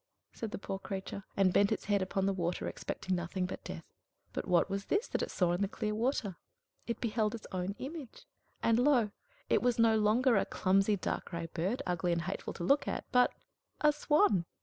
said the poor creature, and bent its head down upon the water, expecting nothing but death. But what was this that it saw in the clear water? It beheld its own image; and, lo! it was no longer a clumsy dark gray bird, ugly and hateful to look at, but a swan!